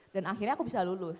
dan akhirnya aku bisa lulus